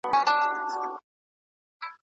دا ډير شرعي، فاميلي او تولنيز ضررونه لري.